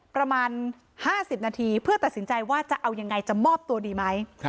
ประมาณ๕๐นาทีเพื่อตัดสินใจว่าจะเอายังไงจะมอบตัวดีไหม